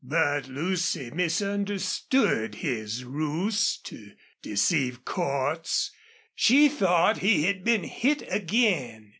But Lucy misunderstood his ruse to deceive Cordts. She thought he had been hit again.